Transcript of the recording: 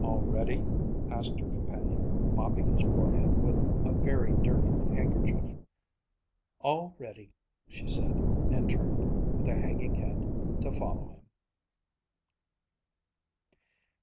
"All ready?" asked her companion, mopping his forehead with a very dirty handkerchief. "All ready," she said and turned, with a hanging head, to follow him.